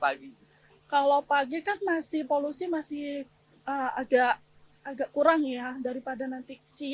masih tetap berolahraga ya karena untuk memprotek dari udara yang lagi buruk akhir akhir ini